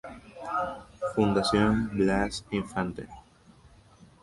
Fundación Blas Infante.